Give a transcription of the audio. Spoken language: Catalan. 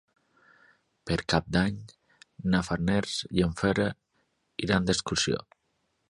Per Cap d'Any na Farners i en Pere iran d'excursió.